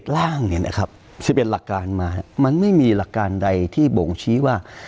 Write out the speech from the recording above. ๑๑ร่าง๑๑หลักการมามันไม่มีหลักการใดที่โบ่งชี้ว่า